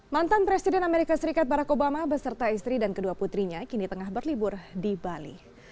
mantan presiden amerika serikat barack obama beserta istri dan kedua putrinya kini tengah berlibur di bali